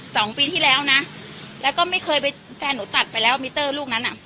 สองปีที่แล้วนะแล้วก็ไม่เคยไปแฟนหนูตัดไปแล้วมิเตอร์ลูกนั้นอ่ะ